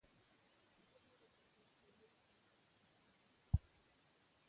ژبه د کلتوري هویت محافظه ده.